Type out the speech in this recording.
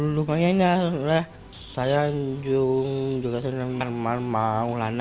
lumanya ini adalah saya juga senang sama arman maulana